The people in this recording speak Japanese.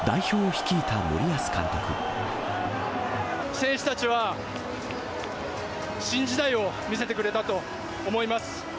選手たちは、新時代を見せてくれたと思います。